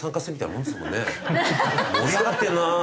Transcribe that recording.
「盛り上がってるなあ」